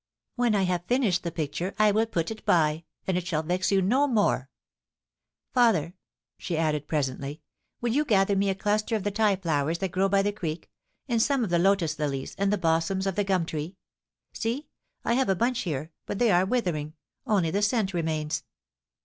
When I have finished the picture I will put it by, and it shall vex you no more. Father,' she added presently, * will you gather me a cluster of the ti flowers that grow by the creek, and some of the lotus lilies *«^^*M 298 POLICY AND PASSION. and the blossoms of the gum tree. See, I have a bunch here, but they are withering — only the scent remains.